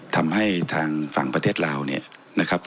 ทำให้ทางฐานประเทศราวิต